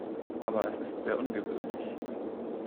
Aber es ist sehr ungewöhnlich.